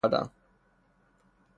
خیرات کردن